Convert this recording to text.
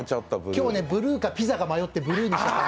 今日ブルーかピザか迷ってブルーにした。